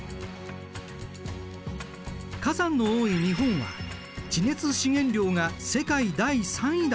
火山の多い日本は地熱資源量が世界第３位だといわれている。